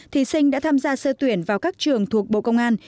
thí sinh đã tham gia sơ tuyển vào các trường thuộc bộ công an